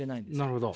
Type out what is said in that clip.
なるほど。